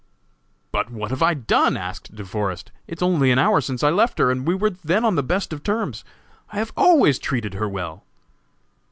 "But what have I done?" asked De Forest. "It is only an hour since I left her, and we were then on the best of terms. I have always treated her well!"